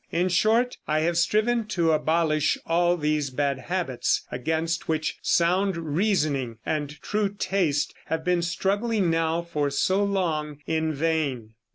In short, I have striven to abolish all these bad habits, against which sound reasoning and true taste have been struggling now for so long in vain."